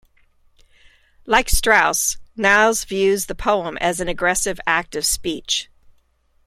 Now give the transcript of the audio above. Like Straus, Niles views the poem as an aggressive act of speech.